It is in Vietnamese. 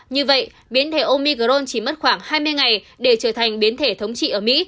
như vậy biến thể omi gron chỉ mất khoảng hai mươi ngày để trở thành biến thể thống trị ở mỹ